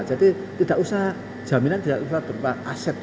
jadi tidak usah jaminan tidak usah berupa aset